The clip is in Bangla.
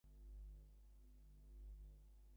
এখানে ব্যস অবসর কাটাচ্ছি।